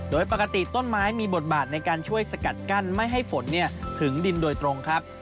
โดยปกติต้นไม้มีบทบาทในการช่วยสกัดกั้นไม่ให้ฝนถึงดินโดยตรงครับ